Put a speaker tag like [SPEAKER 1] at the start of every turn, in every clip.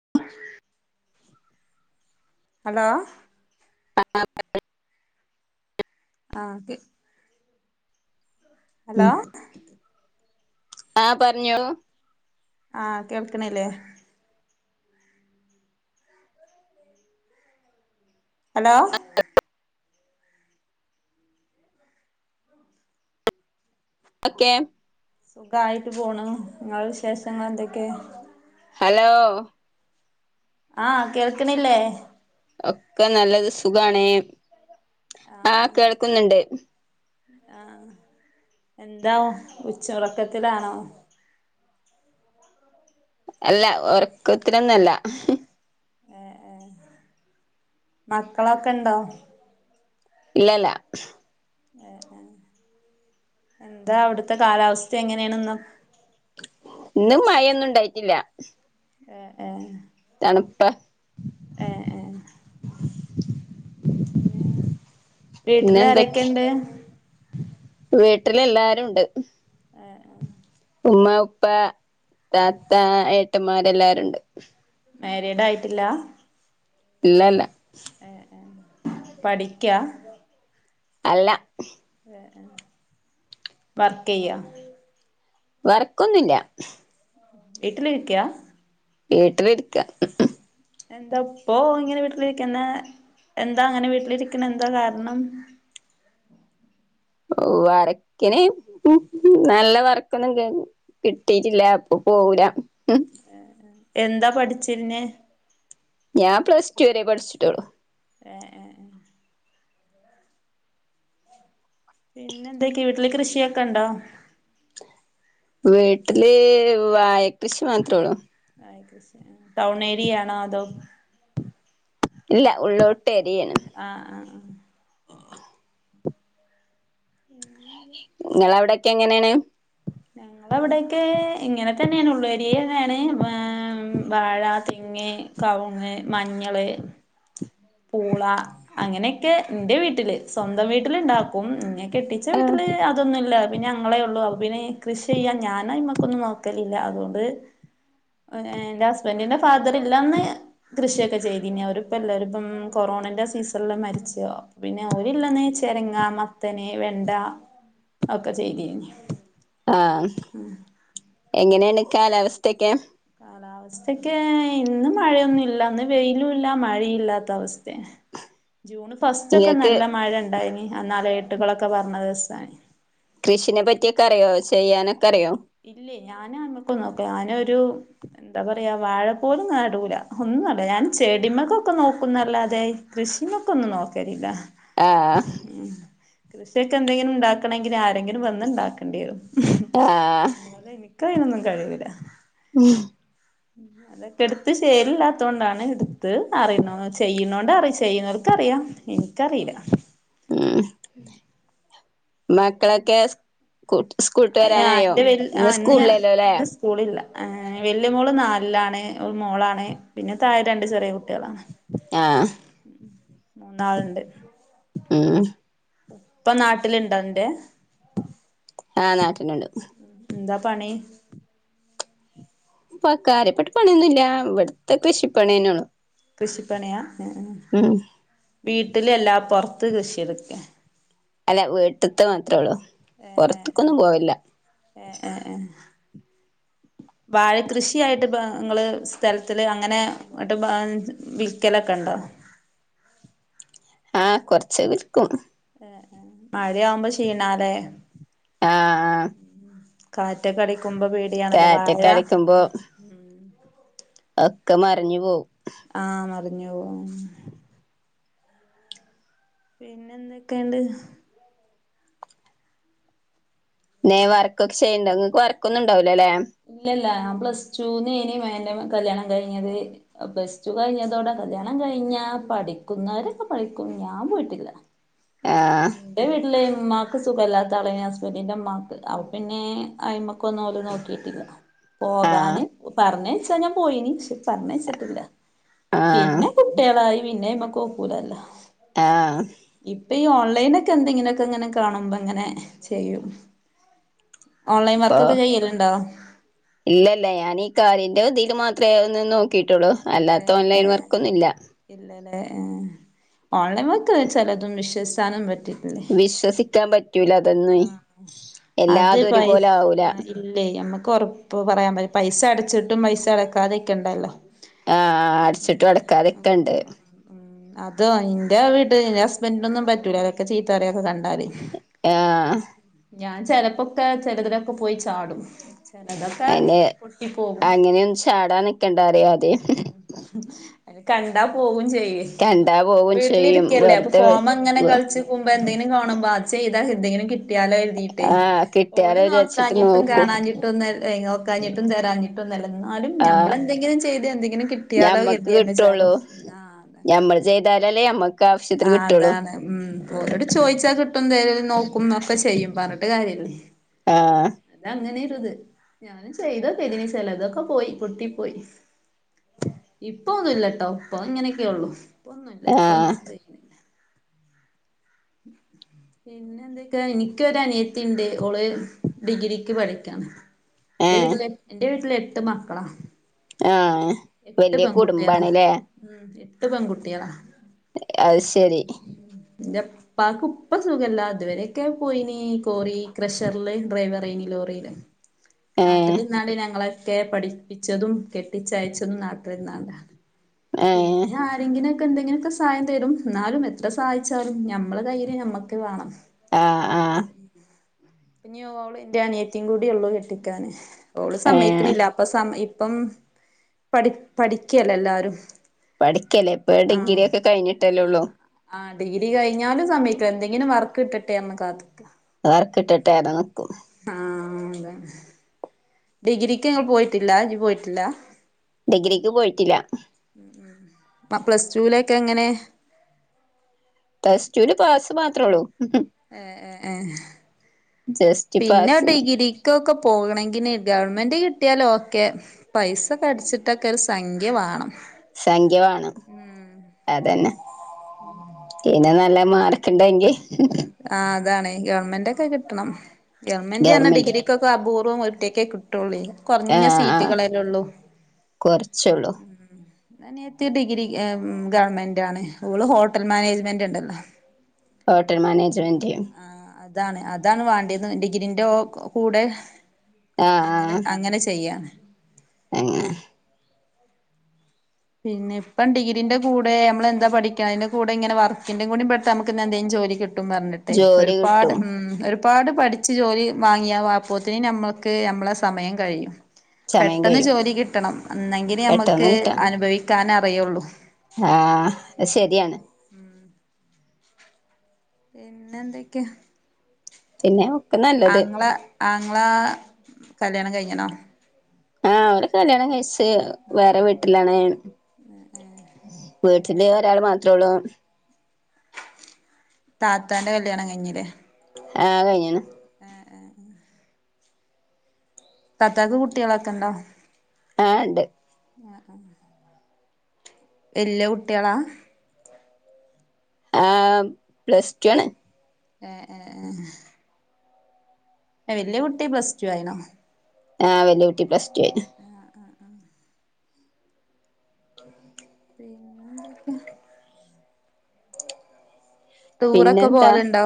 [SPEAKER 1] [inaudible] Hello
[SPEAKER 2] ആഹ് പറി
[SPEAKER 1] ആഹ് കെ
[SPEAKER 2] ഉം ആഹ് പറഞ്ഞോളൂ
[SPEAKER 1] ആഹ് കേൾക്ക്ണില്ലേ ഹലോ
[SPEAKER 2] ഒക്കെ
[SPEAKER 1] സുഖായിട്ട് പോണു നിങ്ങളെ വിശേഷങ്ങൾ എന്തൊക്കെ
[SPEAKER 2] ഹലോ
[SPEAKER 1] ആഹ് കേൾക്ക്ണില്ലേ
[SPEAKER 2] ഒക്കെ നല്ലത് സുഗാണ് ആഹ് കേൾക്കുന്നുണ്ട്
[SPEAKER 1] ആഹ് എന്താ ഉച്ച ഉറക്കത്തിലാണോ
[SPEAKER 2] അല്ല ഒറക്കത്തിലൊന്നല്ല
[SPEAKER 1] ഏഹ് മക്കളൊക്കെ ഇണ്ടോ
[SPEAKER 2] ഇല്ലല്ല
[SPEAKER 1] എന്താ അവിട്ത്തെ കാലാവസ്ഥ എങ്ങനെയണെന്ന്
[SPEAKER 2] ഇന്ന് മഴൊന്നും ഇണ്ടായിട്ടില്ല
[SPEAKER 1] എഹ് ഏഹ്
[SPEAKER 2] അപ്പ
[SPEAKER 1] ഏ ഏ പിന്നെ
[SPEAKER 2] പിന്നെ
[SPEAKER 1] വീട്ടില് ആരൊക്കെ ഇണ്ട്
[SPEAKER 2] വീട്ടില എല്ലാരും ഉണ്ട്
[SPEAKER 1] ആ ആ
[SPEAKER 2] ഉമ്മ ഉപ്പ താത്ത ഏട്ടന്മാരെല്ലാരുണ്ട്
[SPEAKER 1] മാരീഡ് ആയിട്ടില്ല
[SPEAKER 2] ഇല്ല ഇല്ല
[SPEAKER 1] ഏ ഏ പഠിക്കാ
[SPEAKER 2] അല്ല
[SPEAKER 1] വർക്ക് ചെയ്യ
[SPEAKER 2] വറക്കൊന്നുമില്ല
[SPEAKER 1] വീട്ടിലിരിക്കാ
[SPEAKER 2] വീട്ടിലരിക്ക
[SPEAKER 1] എന്താ ഇപ്പ ഇങ്ങനെ വീട്ടിലിരിക്കുന്ന എന്താ അങ്ങനെ വീട്ടിലിരിക്കണ എന്താ കാരണം
[SPEAKER 2] ഓ വരക്കിനെ നല്ല വറക്കൊന്നും കിട്ടിട്ടില്ല അപ്പൊ പോകല
[SPEAKER 1] എന്താ പഠിച്ചന്ന
[SPEAKER 2] ഞാൻ പ്ലസ് ടു വരെ പഠിച്ചിട്ടോളൂ
[SPEAKER 1] ഏ ഏ പിന്നെ എന്തക്ക വീട്ടില് കൃഷിയൊക്കെ ഇണ്ടോ
[SPEAKER 2] വീട്ടില് വായ കൃഷി മാത്രേ ഉള്ളൂ
[SPEAKER 1] ആ ടൗൺ ഏരിയയാണോ അതോ
[SPEAKER 2] ഇല്ല ഉള്ളോട്ട് എരിയ
[SPEAKER 1] ആ ആ ആ ഉം
[SPEAKER 2] നിങ്ങവിടെൊക്കെ എങ്ങനെആ ണ്
[SPEAKER 1] ഞങ്ങള അവിടെൊക്കെ ഇങ്ങനെ തന്നെയാണ് ഉള്ളരിയതാണ് വാഴ തെങ്ങ് കവുങ് മഞ്ഞള് പൂള അങ്ങനെയൊക്കെ നിന്റെ വീട്ടില് സ്വന്തം വീട്ടില് ഇണ്ടാക്കും ഇങ്ങ കെട്ടിച്ച
[SPEAKER 2] ആഹ്
[SPEAKER 1] വീട്ടില് അതൊന്നുമില്ല പിന്നെ ഞങ്ങളെ ഉള്ളു അ പിെ കൃഷി ചെയ്യാ ഞാന ഇ്മക്കൊന്നും നോക്കലില്ല അതുകൊണ്ട് എറെ ഹസ്ബൻഡന്റെ ഫാദർ ഇല്ലാന്ന് കൃഷിയൊക്കെ ചെയ്തിന അവരിപ്പല്ലപ്പം കൊറോണന്റെ സീസണില മരിച്ചോ പിന്നെ അവരില്ലാന്ന് ചെരങ്ങ മത്തനെ വെണ്ട ഒക്കെ ചെയ്തി
[SPEAKER 2] ആഹ എങ്ങനെയാണ് കാലാവസ്ഥൊക്കെ
[SPEAKER 1] കാലാവസ്ഥൊക്കെ ഇന്ന് മഴയൊന്നും ഇല്ല ഇന്ന് വെയിലും ഇല്ല മഴ ഇല്ലാത്ത അവസ്ഥ ജൂൺ ഫസ്റ്റ് ഒക്കെ
[SPEAKER 2] നിങ്ങൾക്ക്
[SPEAKER 1] നല്ല മഴ ഇണ്ടായിന് ആ അലട്ടുകളൊക്കെ പറഞ്ഞത് ദിവസാണ്
[SPEAKER 2] കൃഷിനെ പറ്റിയൊക്കെ അറിയോ ചെയ്യാനൊക്കെ അറിയോ
[SPEAKER 1] ഇല്ലേ ഞാന ആമ്മക്കൊ നോക്ക ഞാനൊരു എന്താ പറയാ വാഴ പോലും നാടൂല ഒന്നുംല്ല ഞാൻ ചെടിമകൊക്കെ നോക്കുന്നല്ലാതെ കൃഷിമക്ക ഒന്നും നോക്കരില്ല
[SPEAKER 2] ആഹ
[SPEAKER 1] കൃഷിയൊക്കെ എന്തെങ്കിലും ഉണ്ടാക്കണെങ്കിൽ ആരെങ്കിലും വന്ന ഉണ്ടാക്കേണ്ടി വരും
[SPEAKER 2] ആഹ്
[SPEAKER 1] എനക്ക് [unintelligible] കഴിയൂലാ
[SPEAKER 2] ഉം
[SPEAKER 1] അതൊക്കെ എടുത്ത് ചേലില്ലാത്ത കൊണ്ടാണ് എടുത്ത് അറിയണ ചെയ്യുന്നോണ്ട് അറി ചെയ്യുന്നവർക്ക അറിയാം എനിക്കറിയില്ല
[SPEAKER 2] ഉം
[SPEAKER 1] ഉം [unintelligible]
[SPEAKER 2] മക്കളൊക്കെ കോട്ട്
[SPEAKER 1] അന്റെ വരി ആ ഇന്ന്
[SPEAKER 2] അല്ലേ
[SPEAKER 1] ഇന്ന് സ്കൂളില്ല വലിയ മോള് നാലിലാണ് ഒരു മോളാണ് പിന്നെ താഴെ രണ്ട് ചെറിയ കുട്ടികളാണ്
[SPEAKER 2] ആഹ
[SPEAKER 1] മൂന്നാളണ്ട്
[SPEAKER 2] ആഹ
[SPEAKER 1] ഇപ്പൊ നാട്ടിലുണ്ടന്റെ
[SPEAKER 2] ആഹ് നാട്ടിന ഉണ്ട് [inaudible]
[SPEAKER 1] പണി
[SPEAKER 2] പ്പൊ കാര്യപ്പെട്ട പണിന്നുല്ല്യ വിട്ത്തെ കൃഷിപ്പണ്യന്നെള്ളു
[SPEAKER 1] കൃഷിപ്പണിയാ ഉം ഉം വീട്ടില് അല്ലാപ്പൊറത്ത് കൃഷീത്ക്കെ?
[SPEAKER 2] അല്ല വീട്ട്ത്തെ മാത്രേള്ളു
[SPEAKER 1] ഏഹ് ഏഹ്
[SPEAKER 2] പൊറത്ത്ക്കൊന്നും
[SPEAKER 1] ഏഹ്
[SPEAKER 2] പോവില്ല
[SPEAKER 1] ഏഹ് ഏഹ് ഏഹ് വാഴ കൃഷിയായിട്ട്പ്പാ ങ്ങള് സ്ഥലത്തില് അങ്ങനെ ന്ട്ട്പ്പ വിക്കലക്കെ ഇണ്ടാ
[SPEAKER 2] ആ കൊറച്ച് വിൽക്കും
[SPEAKER 1] ഏ ഏ മഴയാമ്പ ക്ഷീണാലേ
[SPEAKER 2] ആഹ്
[SPEAKER 1] [inaudible] കാറ്റൊക്കടി ക്കുമ്പ പേടിയണല്ലോ വാഴ
[SPEAKER 2] കാറ്റൊക്കെ അടിക്കുമ്പോ ഒക്കെ മറിഞ്ഞു പോവും
[SPEAKER 1] ആ മറിഞ്ഞു പോവും ഉം പിന്നെ എന്തൊക്കെണ്ട്
[SPEAKER 2] ന്നെ വർക്കൊക്കെ ചെയ്യണ്ടാ ങ്ങക്ക് വർക്കൊന്നുണ്ടാവി
[SPEAKER 1] ഇല്ല്ല്ല ഞാൻ പ്ലസ് ടു ന്ന് എനി മേ [unintelligible] കല്യാണം കഴിഞ്ഞത് പ്ലസ് ടു കഴിഞ്ഞതോടെ കല്യാണം കഴിഞ്ഞ പഠിക്കുന്നോരൊക്ക പഠിക്കും ഞാൻ പോയിട്ടില്ല
[SPEAKER 2] ആഹ്
[SPEAKER 1] എന്റെ വീട്ടില് ഉമ്മാക്ക് സുഖോല്ലാത്ത ആളാ എ ഹസ്ബന്റിന്റെ ഉമ്മാക്ക് അപ് പിന്നെ അയിമ്ക്ക് ഒന്നും ഓല് നോക്കിട്ടില്ല
[SPEAKER 2] ആഹ്
[SPEAKER 1] പോകാന് പറഞ്ഞയ്ച് ഞാൻ പോയിനീം ക്ഷെ പറഞ്ഞയ്ച്ചിട്ടില്ല
[SPEAKER 2] ആഹ്
[SPEAKER 1] പിന്നെ കുട്ടികളായി പിന്നെ ഇമക്കൊക്കൂലല്ലോ
[SPEAKER 2] ആ
[SPEAKER 1] ഈ ഓൺലൈനൊക്ക എന്തങ്ങിനൊക്കെ ഇങ്ങനെ കാണുമ്പോ ഇങ്ങനെ ചെയ്യും ഓൺലൈൻ
[SPEAKER 2] ഇപ്പൊ
[SPEAKER 1] വർക്കൊക്കെ ചെയ്യലുണ്ടോ
[SPEAKER 2] ഇല്ലല്ല ഞാനീ കാര്യേന്റെ ദീ ത് മാത്രേ ഒന്ന് നോക്കിട്ടുള്ളൂ
[SPEAKER 1] ഏ
[SPEAKER 2] അല്ലാത്ത
[SPEAKER 1] ഏ
[SPEAKER 2] ഓൺലൈൻ വർക്കൊന്നുല്ല
[SPEAKER 1] ഇല്ലല്ലേ ഏ ഓൺലൈൻ വർക്ക് ചെലതു വിശ്വസാനും പറ്റി
[SPEAKER 2] വിശ്വസിക്കാൻ പ റ്റൂലതൊന്നുയ്‌
[SPEAKER 1] ആഹ്
[SPEAKER 2] എല്ലാതും ഒരുപോലെ ആവൂല
[SPEAKER 1] ക്കൊറപ്പ് പറയാൻ പ പൈസ അടച്ചിട്ടും പൈസ അടക്കാതെക്കെ ഇണ്ടല്ലോ
[SPEAKER 2] ആ അട്‌ച്ച്ട്ട് ഒടക്കാതക്കണ്ട്
[SPEAKER 1] അതോ എന്റെ വീട്ട് ന്റെ ഹസ്ബൻഡിന ഒന്നും പറ്റൂല അതൊക്കെ ചീത്തറയും കണ്ട ണ്ടാൽ
[SPEAKER 2] ആഹ്
[SPEAKER 1] ഞാൻ ചെലപ്പോക്കെ ചിലത് ലൊക്കെ പോയ് ചാടും ചിലതൊക്കെ
[SPEAKER 2] അയ്ന്
[SPEAKER 1] പൊട്ടി പോകും
[SPEAKER 2] അങ്ങനെയൊന്ന് ചാടാ നിക്കണ്ടാറ്യേ ആദ്യേ
[SPEAKER 1] കണ്ടാ പോകും ചെയ്യും
[SPEAKER 2] പോവും ചെയ്യും
[SPEAKER 1] വീട്ടിലിരിക്കല്ലേ അപ്പൊ
[SPEAKER 2] വെറുതെ
[SPEAKER 1] ഫോണ്മേ ഇങ്ങനെ
[SPEAKER 2] വെ
[SPEAKER 1] കളിച്ച്ക്കുമ്പോ എന്തെങ്കിലും കാണുമ്പോ ആ ഇത് ചെയ്താ എന്തെങ്കിലു കി ട്ട്യാലോര്തീട്ടേ
[SPEAKER 2] ആഹ്
[SPEAKER 1] ഓല്
[SPEAKER 2] കിട്ടിയാലോ വിചാരിച്ചിട്ട്
[SPEAKER 1] നോക്കാഞ്ഞിട്ടും
[SPEAKER 2] നോക്കും
[SPEAKER 1] കാണാഞ്ഞിട്ടൊന്ന് അൽ നോക്കാഞ്ഞിട്ടും തരാഞ്ഞിട്ടൊന്നു അല്ല ന്നാലും
[SPEAKER 2] ആഹ്
[SPEAKER 1] ഞമ്മളെന്തെങ്കിലും ചെയ്ത് എന് കിട്ട്യാേ അതോ
[SPEAKER 2] ഞമ്മക്ക്
[SPEAKER 1] കര്ത്യേന്റെച്ചാലോ
[SPEAKER 2] കിട്ടുള്ളൂ
[SPEAKER 1] ആഹ് അതന്നെ
[SPEAKER 2] ഞമ്മള് ചെയ്താലല്ലേ ഞമ്മക്
[SPEAKER 1] ആഹ് അതാണ് ഉം ഓലോട് ചോയ്ച്ചാ കിട്ടും തെരും നോക്കും ഒക്കെ ചെയ്യും പറഞ്ഞ്ട്ട് കാര്യല്ലേ
[SPEAKER 2] ആഹ്
[SPEAKER 1] അതങ്ങനെ [unintelligible] ഞാൻ ചെയ്തോക്കെയ്തിനീ ചെലതൊക്കെ പോയി പൊട്ടി പോയി ഇപ്പ ഒന്നുല്ലട്ടോ ഇപ്പൊ ഇങ്ങനെയൊക്കെയൊള്ളു ഇപ്പൊന്നും ഇല്ല ഇപ്പൊ
[SPEAKER 2] ആഹ്
[SPEAKER 1] പിന്നെ എന്തൊക്കാ എനിക്കൊരു അനിയത്തി ഇണ്ട് ഓള് ഡിഗ്രിക്ക് പഠിക്കാ. ഇന്റെ
[SPEAKER 2] ഏഹ്
[SPEAKER 1] വീട്ടിൽ ഇന്റെ വീട്ടിൽ എട്ട മക്കള
[SPEAKER 2] ആഹ വല്യ കുട്ബാണ്ലേ
[SPEAKER 1] ഉം എട്ട് പെൺകുട്ടികളാ
[SPEAKER 2] ശരി
[SPEAKER 1] എൻടപ്പാക്ക് ഇപ്പൊ സുഖല്ല അതുവരെയൊക്കെ പോയിനീ കോറീ ക്രഷറില് ഡ്രൈവറയ്നി ലോറിയില്
[SPEAKER 2] ഏഹ്
[SPEAKER 1] നാട്ട്ല്ന്നാല് ഞങ്ങളെ ഒക്കെ പഠിപ്പിച്ചതും കെട്ടിച്ചയച്ച് തും നാട്ടിന്നല്ല
[SPEAKER 2] ഏഹ്
[SPEAKER 1] പിന്നെ ആരെങ്കിലും ക്കെ എന്തെങ്കിലൊക്കെ സഹായം തരും എന്നാലും എത്ര സഹായിച്ചാലും നമ്മള കയ്യിലെ നമ്മക്ക് വേണം
[SPEAKER 2] ആഹ് ആഹ്
[SPEAKER 1] പിന്നെ ഓൾ എന്റെ അനിയത്തിയും കൂടി ഉള്ളൂ കെട്ടിക്കാന് ഓള്
[SPEAKER 2] ഏഹ്
[SPEAKER 1] സമ്മയ്ക്ക്ണില്ല അപ്പൊ സമ്മയി ഇ ഇപ്പം പഠി പഠിക്കല്ലെ എല്ലാരും
[SPEAKER 2] പഠിക്കല്ലേ ഇപ്പൊ
[SPEAKER 1] ആഹ്
[SPEAKER 2] ഡിഗ്രി യൊക്കെ കഴിഞ്ഞിട്ടല്ലേള്ളൂ
[SPEAKER 1] ആഹ് ഡിഗ്രി കഴിഞ്ഞാലും സമയിക്കും എന്തെങ്കിലും വർക്ക് കിട്ടെന്ന് കാത്തി
[SPEAKER 2] വർക്കിട്ടട്ടേ [unintelligible]
[SPEAKER 1] ആഹ് അത ഡിഗ്രിക്ക് ങ്ങൾ പോയിട്ടില്ല ഇജ് പോയിട്ടില്ല
[SPEAKER 2] ഡിഗ്രിക്ക് പോയിട്ടില്ല
[SPEAKER 1] പ്പ പ്ലസ് ടുലേക്ക് എങ്ങനെയാ
[SPEAKER 2] പ്ലസ് ടുന് പാസ്സ് മാത്രേ ഒള്ളു
[SPEAKER 1] ഏ ഏ ഏഹ്
[SPEAKER 2] ജസ്റ്റ്
[SPEAKER 1] പിന്നെ
[SPEAKER 2] പാസ്
[SPEAKER 1] ഡിഗ്രി ക്കൊക്കെ പോകണെങ്കി കിനെ ഗവൺമെൻറ് കിട്ടിയാൽ ഓകെ പൈസ കടിച്ചിട്ടൊക്കെ ഒരു സംഖ്യ വാണം
[SPEAKER 2] സംഖ്യ വാണം അതന്നെ പിന്നെ നല്ല മാർക്ക് ഇണ്ടെങ്കി
[SPEAKER 1] ആ അതാണ് ഗവണ്മെന്റൊക്കെ കിട്ടണം ഗവൺമെന്റ് എന്നെ
[SPEAKER 2] ഗവർമെന്റ്
[SPEAKER 1] ഡിഗ്രിക്കൊക്കെ അപൂ റൂം ഒറ്റക്കെ കിട്ടുള്ളി കൊർഞ്ഞ
[SPEAKER 2] ആഹ് ആഹ്
[SPEAKER 1] സീറ്റുകളല്ലെള്ളൂ
[SPEAKER 2] കൊറച്ചൊള്ളൂ
[SPEAKER 1] ഉം? ഞാൻ എത്തിയ ഡിഗ്രി ഉം ഗവൺമെന്റാണ് ഓള് ഹോട്ടൽ മാനേജ്മെന്റ് ഉണ്ടല്ലോ?
[SPEAKER 2] ഹോട്ടൽ മാനേജ്മെന്റ് ന്റെമ്
[SPEAKER 1] അതാണ് അതാണ് വാണ്ടയ്ത് ഡിഗ്രീന്റൊക്കെ കൂടെ
[SPEAKER 2] ആഹ്
[SPEAKER 1] അങ്ങനെ
[SPEAKER 2] ആഹ്
[SPEAKER 1] അങ്ങനെ ചെയ്യാണ്
[SPEAKER 2] അങ്ങനെ
[SPEAKER 1] പിന്നെ ഇപ്പ ഡിഗ്രീന്റെ കൂടെ നമ്മൾ എന്ത പഠിക്ക അയ്ന്റെ കൂടെ ഇങ്ങനെ വർക്കിന്റെ കൂടി പെട്ട നമുക്ക് എന്ന എന്തേ ജോലി കി ട്ടും പർഞ്ഞിട്ടെ
[SPEAKER 2] ജോലി
[SPEAKER 1] ഒരുപാട്
[SPEAKER 2] കിട്ടും
[SPEAKER 1] ഉം ഒരു ഒരുപാട് പഠിച്ച് ജോലി വാങ്ങിയ അപ്പോത്തീന് ഞമ്മക്ക് ഞമ്മളെ സമയം കഴിയും
[SPEAKER 2] സമയം
[SPEAKER 1] പെട്ടെന്ന്
[SPEAKER 2] കഴിയും
[SPEAKER 1] ജോലി കിട്ടണം അന്നെങ്കില് നമ്മക്ക്
[SPEAKER 2] പെട്ടെന്ന് കിട്ടാം
[SPEAKER 1] ചോയിക്കാനറിയുള്ളൂ
[SPEAKER 2] ആഹ് ശെരിയാണ്
[SPEAKER 1] പിന്നെന്തൊക്കെയാ
[SPEAKER 2] പിന്നെ ഒക്കെ നല്ലത്
[SPEAKER 1] നിങ്ങളാ കല്യാണം കഴിഞ്ഞതാണൊ?
[SPEAKER 2] ആഹ് അവരൊക്കെ കല്യാണം കഴി ച്ച് വേറെ വീട്ടിലാണ് വീട്ടില് ഒരാൾ മാത്രുള്ളൂ
[SPEAKER 1] താത്താന്റെ കല്യാണം കയ്ഞ്ഞില്ലേ
[SPEAKER 2] ആഹ കഴിഞ്ഞ്ണ്.
[SPEAKER 1] ആഹ ആഹ ആ തത്താക്ക് കുട്ടികളൊക്കെണ്ടോ?
[SPEAKER 2] ആ ഉണ്ട്.
[SPEAKER 1] ആ ആ വല്ല്യ കുട്ടികളാ.
[SPEAKER 2] ആ പ്ലസ്ടു ആണ്.
[SPEAKER 1] ഏ ഏ ഹ വലിയ കുട്ടി പ്ലസ്റ്റു ആയിനോ?
[SPEAKER 2] ആ വെല് കുട്ടി പ്ലസ് ടു ആയി ആ
[SPEAKER 1] പിന്നെ എന്തൊക്കെ ടൂറൊക്കെ
[SPEAKER 2] പിന്നെന്താ
[SPEAKER 1] പോലുണ്ടോ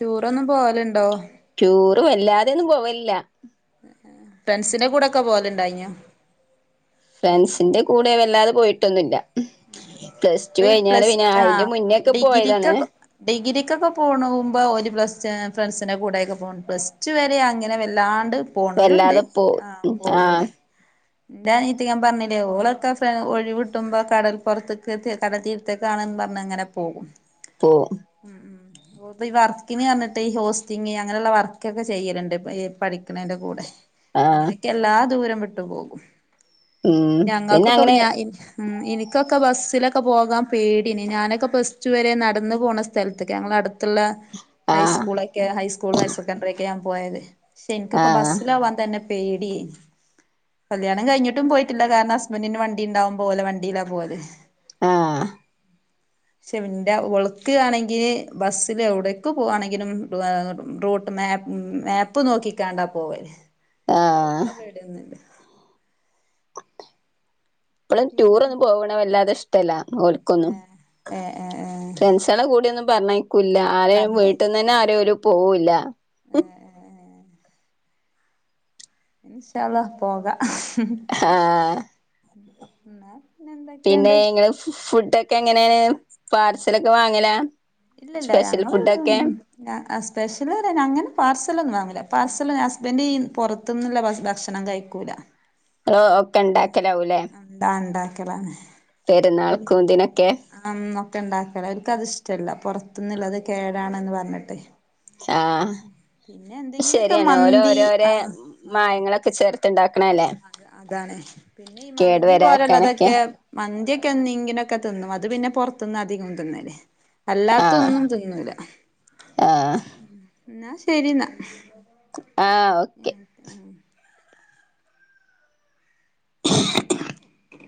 [SPEAKER 1] ടൂരെന്നും പോവലുണ്ടോ
[SPEAKER 2] ടൂറും വല്ലാതൊന്നുംപോവല്ലെയില്ല
[SPEAKER 1] ഫ്രണ്ട്സിന്റെ കൂടെ ഒക്കെ പോലുണ്ടായിഞ്ഞ
[SPEAKER 2] ഫ്രൻസിന്റെ കൂടെ വല്ലാതെ പോയിട്ടൊന്നുമില്ല പ്ലസ് ടു
[SPEAKER 1] ഈ
[SPEAKER 2] കഴിഞ്ഞാറ്
[SPEAKER 1] പ്ലസ്
[SPEAKER 2] പിന്നെ അയിന്റെ
[SPEAKER 1] ആഹ്
[SPEAKER 2] മുന്നേ ഒക്കെ പോയതാണ്
[SPEAKER 1] എക്കൊക്കെ പോകുമ്പോൾ ഒരു പ്ലസ് ഫ്രണ്ട്സിൻറെ കൂടെയൊക്കെ പോകണം പ്ലസ് ടു വരെ അങ്ങനെ വല്ലാണ്ട് പോണരുണ്ട്
[SPEAKER 2] വല്ലാതെ പോ
[SPEAKER 1] ആഹ് പോകൂല
[SPEAKER 2] ആഹ്
[SPEAKER 1] എന്താ അനിയത്തി ഞാൻ പറഞ്ഞില്ലേ ഓളൊക്കെ ഫ ഒഴി വിട്ടുമ്പോ കടൽപ്പുറത്തൊക്ക [unintelligible] കടൽ തീരത്തേ കാണന്ന് പറഞ്ഞഞ് അങ്ങനെ പോകും
[SPEAKER 2] പോ
[SPEAKER 1] ഉം ഉം ഓഈ വർക്കിന് പറഞ്ഞിട്ട് ഈ ഹോസ്റ്റിങ് അങ്ങനെയുള്ള വർക്ക്ക്കെ ചെയ്യലുണ്ട് പഠ ക്കണെന്റെ കൂടെ
[SPEAKER 2] ആഹ്
[SPEAKER 1] അങ്ങനെയൊക്കെ എല്ലാ ദൂര വിട്ടു പോകും
[SPEAKER 2] ഉം പിന്നെ
[SPEAKER 1] ഞങ്ങൾക്കൊക്കെ
[SPEAKER 2] അങ്ങനെ
[SPEAKER 1] ഞ ഇനി എനിക്കൊ യൊക്കെ ബസ്സി ഒക്കെ പോകാൻ പേടിന് ഞാനൊക്കെ പ്ലസ്ടു വരെ നടന്ന പോകണ സ്ഥലത്തൊക്കെ ഞങ്ങളൾ അടുത്ത് ള്ള
[SPEAKER 2] ആഹ്
[SPEAKER 1] ഹൈസ്കൂളക്കെ ഹൈസ്കൂളും ഹയർ സെക്കൻഡററി ഒക്കെ [unintelligible] പോയത് ശനിക്കപ്പ
[SPEAKER 2] ആഹ്
[SPEAKER 1] ബസിലെവനെ തന്നെ പേടി കല്ല്യാണം കഴിഞ്ഞിട്ടും പോയിട്ടില്ല കാരണം ഹസ്ബൻറിന് വണ്ടി ഉണ്ടാവുപോലെ ഒരേ വണ്ടിയിലാ പോവല്ലേ
[SPEAKER 2] ആഹ്
[SPEAKER 1] ച്ച് എന്റെ ഉളക്കയാണെങ്കില് ബസ്സില് എവിടേക്ക് പോവാണെങ്കിലും റൂട്ട് മാപ്പ് മാപ്പ് നോക്കിക്കാണ്ടാ പോവല്
[SPEAKER 2] ആഹ്
[SPEAKER 1] അവർക്കാ പേടിയൊന്നുമില്ല
[SPEAKER 2] ഇപ്പഴ ടൂർ ഒന്നും പോവണ വല്ലാതെ്ട ഇ [inaudible] ഓക്കൊന്നും
[SPEAKER 1] ഏഹ് ഏഹ് ഏഹ്
[SPEAKER 2] ഫ്രണ്ട്സ കൂടിയൊന്ന പറന്ന ഇല്ല ആരും വീട്ടിൽന്ന് തന്നെ
[SPEAKER 1] പറഞ്ഞയക്കൂലല്ലേ
[SPEAKER 2] ആര പോവൂില്ല
[SPEAKER 1] ഏഹ് ഇൻശാഅല്ലാഹ്‌ പോകാം
[SPEAKER 2] ആ
[SPEAKER 1] എന്നാ പിന്നെ
[SPEAKER 2] പിന്നെ
[SPEAKER 1] എന്തൊക്കെയുണ്ട്
[SPEAKER 2] ഇങ്ങെ ഫു ഫുടൊക്കെ എങ്ങനെയാണ് പാർസൽൊക്കെ വാങ്ങല
[SPEAKER 1] ഇല്ലല്ല ഞങ്ങൾ സ്പെഷ്യല് പറൻ അങ്ങനെ പാർസൽൊന്നും പാർസല് ഹസ്ബൻഡ ഈ പുറത്തന്നുള്ള ഭക്ഷണം കഴിക്കൂല
[SPEAKER 2] ആ ക്കെ ഉണ്ടാക്കലാവൂല്ലേ
[SPEAKER 1] എന്താ [unintelligible]
[SPEAKER 2] പെരുന്നാൾക്കുംന്തിനൊക്കെ
[SPEAKER 1] അവർക്ക് അത്ഷ്ടമല്ല പുറത്തൊന്നില്ല അത് കേടാണന്ന് പറഞ്ഞിട്ടേ
[SPEAKER 2] ആഹ
[SPEAKER 1] എന്തെങ്കിലുമൊക്കെ
[SPEAKER 2] ശരിയാണ് ഓരോ
[SPEAKER 1] മന്തി
[SPEAKER 2] ഓരോഓരോ മായങ്ങളൊക്കെ ചേർത്ത് തിണ്ടാ
[SPEAKER 1] അ അതാണ് പിന്നെ ഈ
[SPEAKER 2] കേട്
[SPEAKER 1] മന്തി
[SPEAKER 2] വരാക്കാനൊക്കെ
[SPEAKER 1] പോലുള്ളതൊക്കെ മന്തിയക്കെ [unintelligible] തിന്നും അത് പിന്നെ പുറത്തുന്ന് അധികം തിന്നല്
[SPEAKER 2] ആഹ്
[SPEAKER 1] അല്ലാത്തൊന്നും തിന്നൂല
[SPEAKER 2] ആഹ്
[SPEAKER 1] എന്നാ ശരി എന്നാ
[SPEAKER 2] ആഹ് ഓക്കെ [unintelligible]